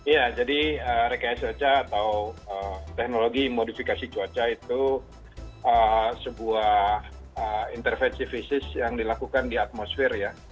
ya jadi rekayasa cuaca atau teknologi modifikasi cuaca itu sebuah intervensi fisik yang dilakukan di atmosfer ya